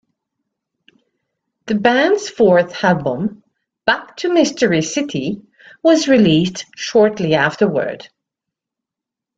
The band's fourth album, "Back to Mystery City", was released shortly afterward.